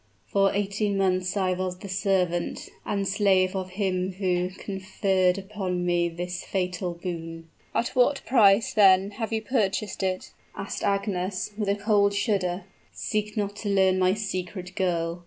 For eighteen months I was the servant and slave of him who conferred upon me this fatal boon " "At what price, then, have you purchased it?" asked Agnes, with a cold shudder. "Seek not to learn my secret, girl!"